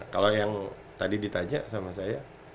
kalau yang tadi ditanya sama saya